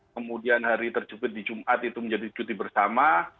kemudian hari terjepit di jumat itu menjadi cuti bersama